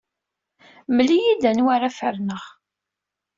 Mel-iyi-d anwa ara ferneɣ.